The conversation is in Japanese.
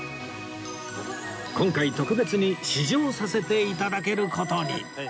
今回特別に試乗させて頂ける事に！